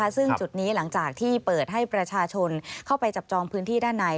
ซึ่งจุดนี้หลังจากที่เปิดให้ประชาชนเข้าไปจับจองพื้นที่ด้านใน